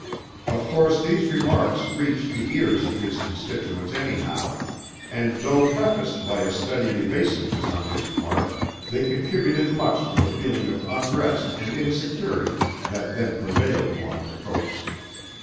Of course these remarks reached the ears of his constituents anyhow, and though prefaced by a studied evasiveness on his part, they contributed much to the feeling of unrest and insecurity that then prevailed along the Coast.